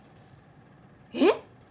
えっ！？